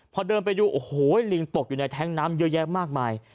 พอเดินไปดูโอ้โหลิงตกอยู่ในแท้งน้ำเยอะแยะมากมาย